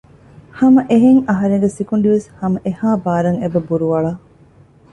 ހަމައެހެން އަހަރެންގެ ސިކުނޑިވެސް ހަމަ އެހާ ބާރަށް އެބަ ބުރުއަޅަ